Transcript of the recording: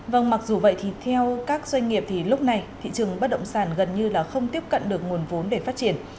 vâng mặc dù vậy thì theo các doanh nghiệp thì lúc này thị trường bất động sản gần như là không tiếp cận được nguồn vốn để phát triển